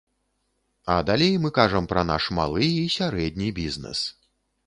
А далей мы кажам пра наш малы і сярэдні бізнэс.